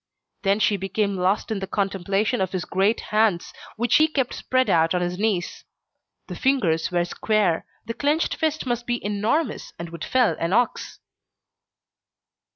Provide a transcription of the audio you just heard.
Then she became lost in the contemplation of his great hands which he kept spread out on his knees: the fingers were square; the clenched fist must be enormous and would fell an ox.